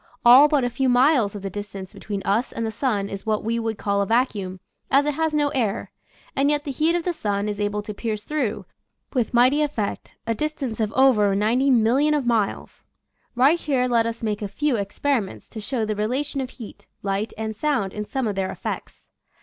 All but a few miles of the distance between us and the sun is what we would call a vacuum, as it has no air, and yet the heat of the sun is able to pierce through, with mighty effect, a distance of over 90,000,000 of miles. Right here let us make a few experi ments to show the relation of heat, light, and sound in some of their effects.